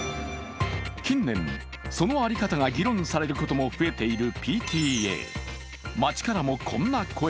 近年、その在り方が議論されることも増えているＰＴＡ。